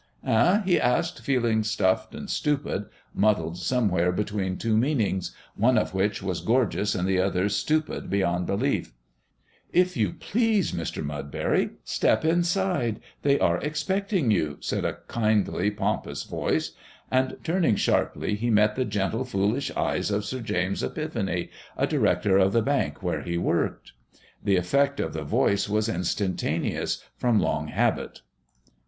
"Eh?" he asked, feeling stuffed and stupid, muddled somewhere between two meanings, one of which was gorgeous and the other stupid beyond belief. "If you please, Mr. Mudbury, step inside. They are expecting you," said a kindly, pompous voice. And, turning sharply, he met the gentle, foolish eyes of Sir James Epiphany, a director of the Bank where he worked. The effect of the voice was instantaneous from long habit.